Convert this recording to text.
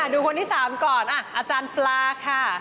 ดูคนที่๓ก่อนอาจารย์ปลาค่ะ